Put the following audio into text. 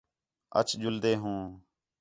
اَچ ڄُلدے ہوں